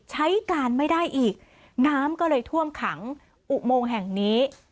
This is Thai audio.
ใช้การไม่ได้อีกน้ำก็เลยท่วมขังอุโมงแห่งนี้